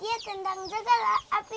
dia tendang juga lah api